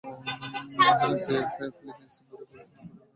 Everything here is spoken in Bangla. ম্যেজালেন ফিলিপিন্সে ভুরি-ভুরি সোনা খুঁজে বের করেছিল।